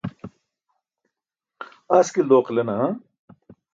Askil dooqila naa?